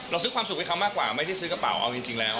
ซื้อความสุขให้เขามากกว่าไม่ได้ซื้อกระเป๋าเอาจริงแล้ว